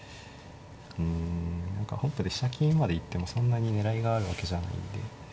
うん何か本譜で飛車金まで行ってもそんなに狙いがあるわけじゃないんで。